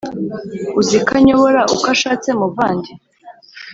uziko anyobora uko ashatse muvandi